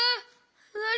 なに？